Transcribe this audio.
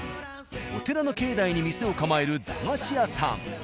お寺の境内に店を構える駄菓子屋さん。